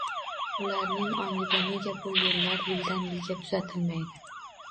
Ularning ongida «nega bu yo‘llar yildan yilga tuzatilmaydi?»